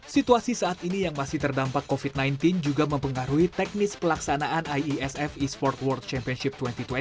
situasi saat ini yang masih terdampak covid sembilan belas juga mempengaruhi teknis pelaksanaan iesf e sport world championship dua ribu dua puluh